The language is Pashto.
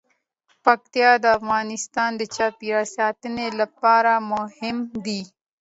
پکتیکا د افغانستان د چاپیریال ساتنې لپاره مهم دي.